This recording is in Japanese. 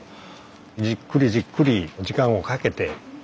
じっくりじっくり時間をかけて。